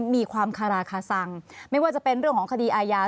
มีความคาราคาซังไม่ว่าจะเป็นเรื่องของคดีอาญา